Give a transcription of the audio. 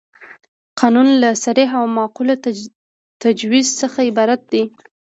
قانون له صریح او معقول تجویز څخه عبارت دی.